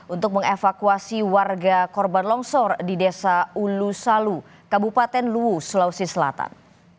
untuk mengevakuasi warga korban longsor di desa ulu salu kabupaten luwu sulawesi selatan